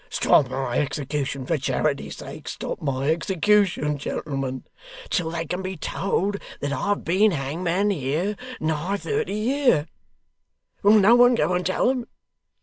Stop my execution for charity's sake stop my execution, gentlemen till they can be told that I've been hangman here, nigh thirty year. Will no one go and tell them?